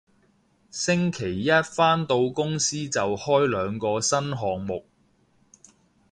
星期一返到公司就開兩個新項目